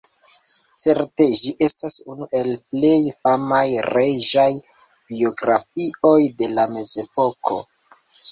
Certe ĝi estas unu el plej famaj reĝaj biografioj de la Mezepoko.